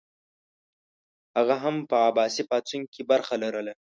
هغه هم په عباسي پاڅون کې برخه لرله.